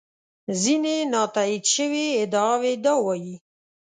ځینې نا تایید شوې ادعاوې دا وایي.